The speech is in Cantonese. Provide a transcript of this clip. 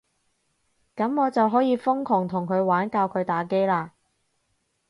噉我就可以瘋狂同佢玩，教佢打機喇